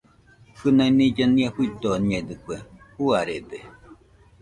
Kɨnai nilla nia fuidoñedɨkue, juarede.